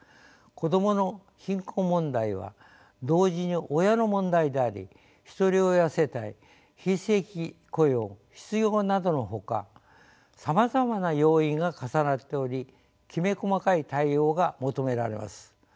子どもの貧困問題は同時に親の問題であり一人親世帯非正規雇用失業などのほかさまざまな要因が重なっておりきめ細かい対応が求められます。